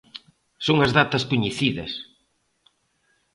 Son as datas coñecidas.